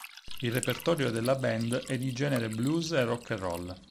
Il repertorio della band è di genere blues e rock and roll.